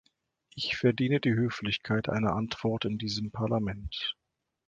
Ich verdiene die Höflichkeit einer Antwort in diesem Parlament.